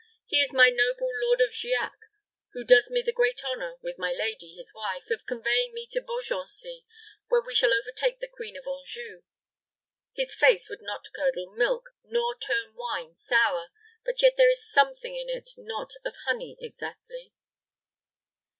"He is my noble Lord of Giac, who does me the great honor, with my lady, his wife, of conveying me to Beaugency, where we shall overtake the Queen of Anjou. His face would not curdle milk, nor turn wine sour; but yet there is something in it not of honey exactly."